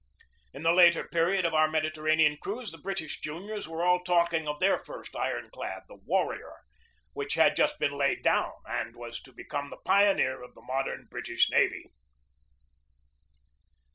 In the later period of our Mediterranean cruise, the British juniors were all talking of their first iron clad, the Warrior, which had just been laid down and was to become the pioneer of the modern British navy.